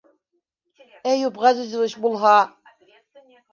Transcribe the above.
Әйүп Ғәзизович булһа!